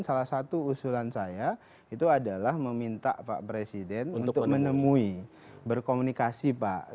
salah satu usulan saya itu adalah meminta pak presiden untuk menemui berkomunikasi pak